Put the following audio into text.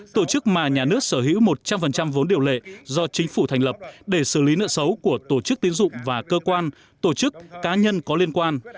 tổ chức mà nhà nước sở hữu một trăm linh vốn điều lệ do chính phủ thành lập để xử lý nợ xấu của tổ chức tiến dụng và cơ quan tổ chức cá nhân có liên quan